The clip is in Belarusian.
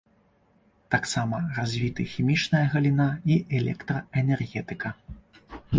Таксама развіты хімічная галіна і электраэнергетыка.